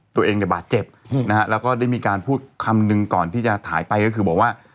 ตัวเองเนี่ยบาดเจ็บนะฮะแล้วก็ได้มีการพูดคำหนึ่งก่อนที่จะถ่ายไปก็คือบอกว่า